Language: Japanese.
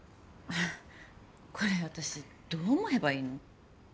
これ私どう思えばいいの？